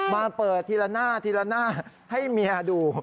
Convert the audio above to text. มาเปิดทีละหน้าทีละหน้าให้เมียดู